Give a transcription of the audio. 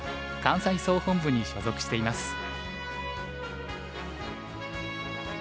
関西総本部に所属しています。